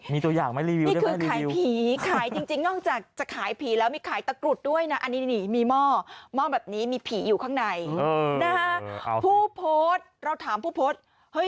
มีตัวอย่างมารีวิวได้ไหมนี่คือขายผี